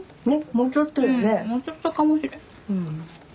もうちょっとかもしれん。